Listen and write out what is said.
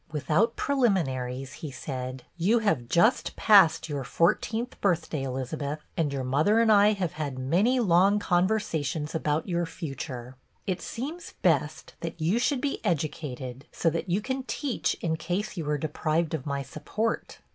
Without preliminaries he said, — lO BETTY BAIRD "You have just passed your fourteenth birthday, Elizabeth, and your mother and I have had many long conversations about your future. It seems best that you should be educated, so that you can teach in case you are deprived of my support."